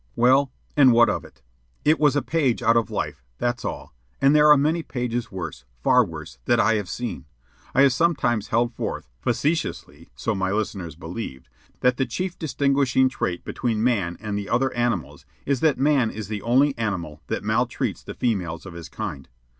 Well, and what of it? It was a page out of life, that's all; and there are many pages worse, far worse, that I have seen. I have sometimes held forth (facetiously, so my listeners believed) that the chief distinguishing trait between man and the other animals is that man is the only animal that maltreats the females of his kind.